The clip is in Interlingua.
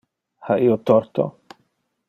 Ha io torto?